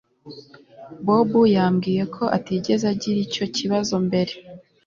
Bobo yambwiye ko atigeze agira icyo kibazo mbere